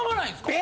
・え？